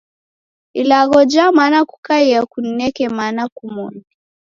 Ilagho ja mana kukaia kujineke mana kumoni.